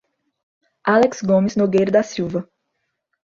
Alex Gomes Nogueira da Silva